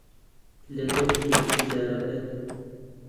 لە دەردی ئینتیزارەکەت